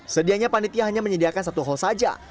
sedianya panitia hanya menyediakan satu hal saja